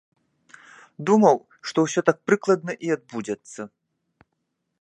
Думаў, што ўсё так прыкладна і адбудзецца.